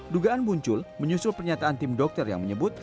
dugaan muncul menyusul pernyataan tim dokter yang menyebut